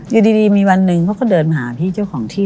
อยู่ดีมีวันหนึ่งเขาก็เดินมาหาพี่เจ้าของที่